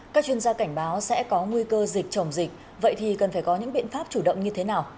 các chuyên gia cảnh báo sẽ có nguy cơ dịch chồng dịch vậy thì cần phải có những biện pháp chủ động như thế nào